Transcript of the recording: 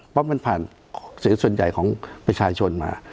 เพราะมันผ่านเสียงส่วนใหญ่ของประชาชนมา